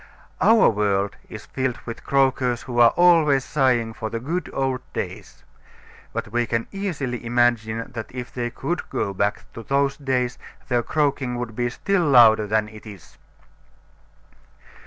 Our world is filled with croakers who are always sighing for the good old days. But we can easily imagine that if they could go back to those days their croaking would be still louder than it is.